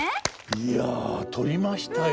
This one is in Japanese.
いや取りましたよ。